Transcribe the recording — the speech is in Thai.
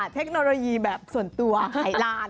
ค่ะเทคโนโลยีแบบส่วนตัวไขลาน